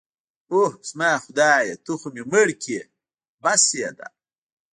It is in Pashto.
اوه، زما خدایه ته خو مې مړ کړې. بس يې ده.